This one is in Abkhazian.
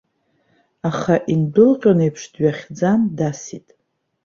Аха индәылҟьон еиԥш дҩахьӡан, дасит.